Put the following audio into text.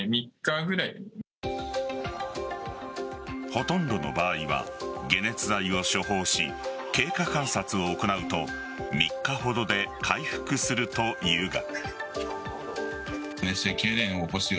ほとんどの場合は解熱剤を処方し経過観察を行うと３日ほどで回復するというが。